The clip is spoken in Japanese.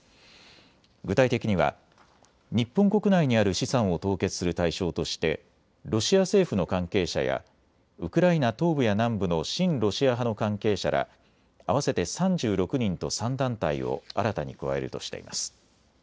具体的には日本国内にある資産を凍結する対象としてロシア政府の関係者やウクライナ東部や南部の親ロシア派の関係者ら合わせて３６人と３団体を新たに加えるとしています。